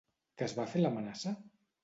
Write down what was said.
Que es va fer l’amenaça?